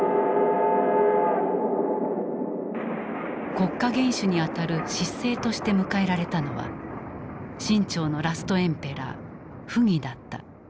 国家元首にあたる執政として迎えられたのは清朝のラストエンペラー溥儀だった。